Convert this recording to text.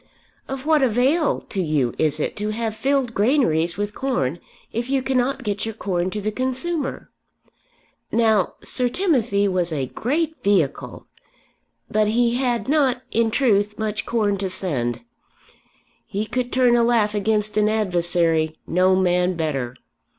Of what avail to you is it to have filled granaries with corn if you cannot get your corn to the consumer? Now Sir Timothy was a great vehicle, but he had not in truth much corn to send. He could turn a laugh against an adversary; no man better.